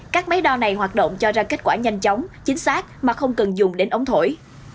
các máy đo này hoạt động cho ra kết quả nhanh chóng chính xác mà không cần dùng đến ống thổi